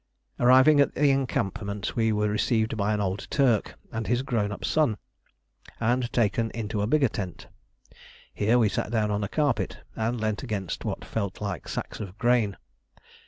Arriving at the encampment, we were received by an old Turk and his grown up son, and taken into the bigger tent. Here we sat down on a carpet, and leant against what felt like sacks of grain.